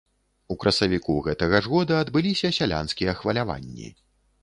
У красавіку гэтага ж года адбыліся сялянскія хваляванні.